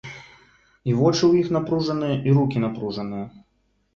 І вочы ў іх напружаныя, і рукі напружаныя.